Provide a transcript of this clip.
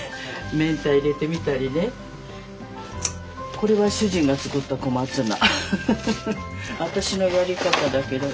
これは主人が作った小松菜。